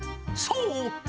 そう！